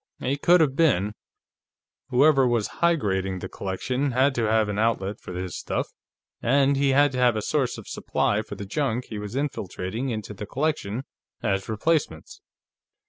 "He could have been. Whoever was higrading the collection had to have an outlet for his stuff, and he had to have a source of supply for the junk he was infiltrating into the collection as replacements.